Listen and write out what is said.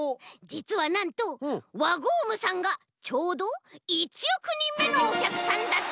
じつはなんとワゴームさんがちょうど１おくにんめのおきゃくさんだったんです！